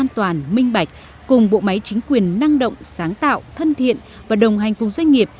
toàn minh bạch cùng bộ máy chính quyền năng động sáng tạo thân thiện và đồng hành cùng doanh nghiệp